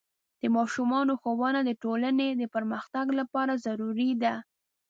د ماشومانو ښوونه د ټولنې پرمختګ لپاره ضروري ده.